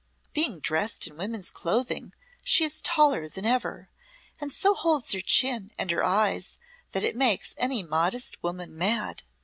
Being dressed in woman's clothing she is taller than ever, and so holds her chin and her eyes that it makes any modist woman mad.